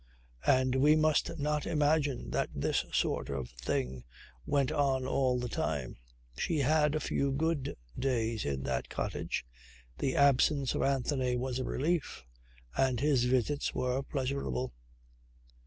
And we must not imagine that this sort of thing went on all the time. She had a few good days in that cottage. The absence of Anthony was a relief and his visits were pleasurable.